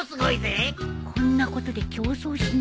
こんなことで競争しないでよ。